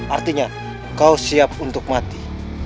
artinya kau siap untuk mati